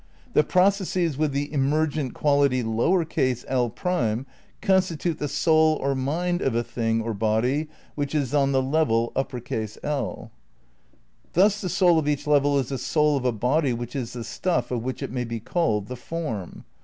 The processes with the emergent quality 1' constitute the soul or mind of a thing or body which is on the level L ..." "Thus the soul of each level is the soul of a body which is the stuff of which it may be called the form."